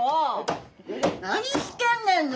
何してんねんよ